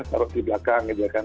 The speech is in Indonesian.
taruh di belakang gitu ya kan